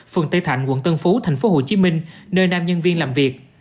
phường tây thạnh quận tân phú tp hcm nơi nam nhân viên làm việc